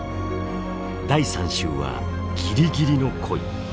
第３集は「ギリギリの恋」。